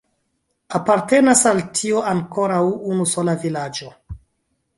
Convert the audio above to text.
Apartenas al tio ankoraŭ unusola vilaĝo.